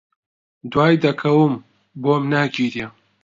دوای دەکەوم، بۆم ناگیرێ